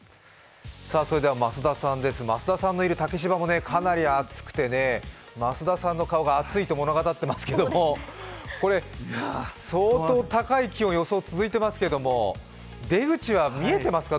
増田さんのいる竹芝もかなり暑くて増田さんの顔が暑いと物語ってますけど相当、高い気温の予想、続いていますけれども、出口は見えていますか？